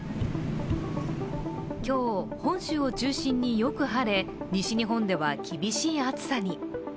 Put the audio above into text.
今日、本州を中心によく晴れ、西日本では厳しい暑さに。